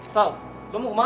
sal lo mau kemana